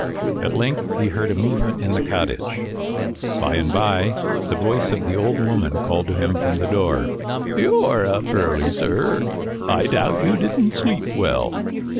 At length he heard a movement in the cottage. By and by the voice of the old woman called to him from the door. "You're up early, sir. I doubt you didn't sleep well."